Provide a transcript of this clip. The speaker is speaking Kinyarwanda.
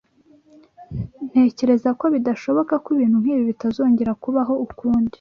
Ntekereza ko bidashoboka ko ibintu nkibi bitazongera kubaho ukundi.